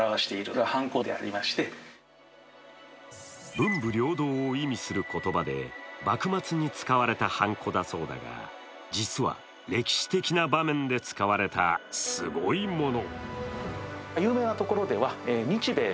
文武両道を意味する言葉で幕末に使われたはんこだそうだが実は歴史的な場面で使われたすごいもの。